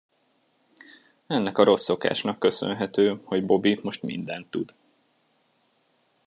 Ennek a rossz szokásnak köszönhető, hogy Bobby most mindent tud.